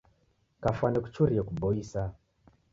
Kwafwane kuchurie kuboisa.